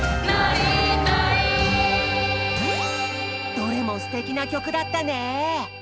どれもすてきな曲だったね！